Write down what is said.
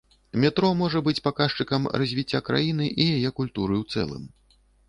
Метро можа быць паказчыкам развіцця краіны і яе культуры ў цэлым.